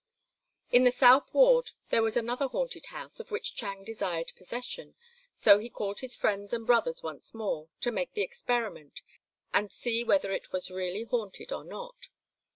In the South Ward there was another haunted house, of which Chang desired possession, so he called his friends and brothers once more to make the experiment and see whether it was really haunted or not.